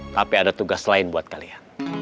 tapi ada tugas lain buat kalian